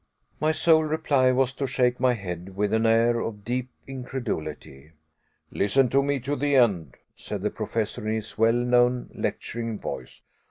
My sole reply was to shake my head with an air of deep incredulity. "Listen to me to the end," said the Professor in his well known lecturing voice.